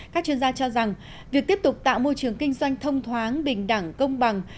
các chuyên gia cho rằng việc tiếp tục tạo môi trường kinh doanh thông thoáng bình đẳng công bằng